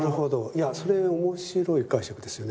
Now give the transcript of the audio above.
いやそれ面白い解釈ですよね。